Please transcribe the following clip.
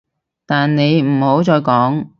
但你唔好再講